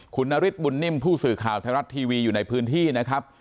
คุณนฤทธบุญนิ่มผู้สื่อข่าวไทยรัฐทีวีอยู่ในพื้นที่นะครับ